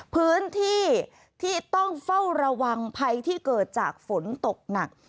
พื้นที่ที่ต้องเฝ้าระวังภัยที่เกิดจากฝนตกหนัก